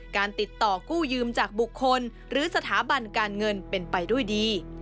การติดต่อกู้ยืมจากบุคคลหรือสถาบันการเงินเป็นไปด้วยดี